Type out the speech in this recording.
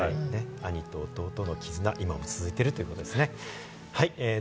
聴いてみ兄と弟の絆、今も続いているということですね。